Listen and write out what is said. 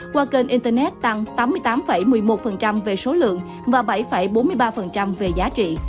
qua kênh internet tăng tám mươi tám một mươi một về số lượng và bảy bốn mươi ba về giá trị